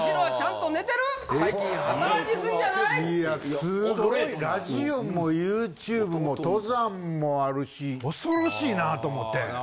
いやすごいラジオもＹｏｕＴｕｂｅも登山もあるし怖ろしいなぁと思って。